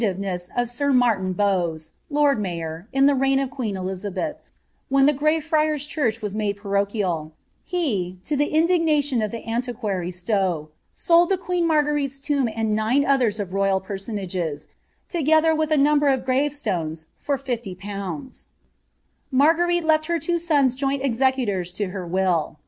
121 mtaun tns destroyed by ihe acquiBJiifeness of Sir Martin Bowes, lord BMyor, in the rei^n of queen Elizabeth, when the Grey Friars' church was mnde parochial ; he, to the indignation of the aniiquBry Slow, solil queen Har^erite's tomb and nine others of royal personages, logeiber with a nnmher of grave Btones, for fifty pounds. Marguerite left her iwo sona joint executors to her will.